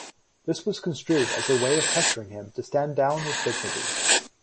This was construed as a way of pressuring him to stand down with dignity.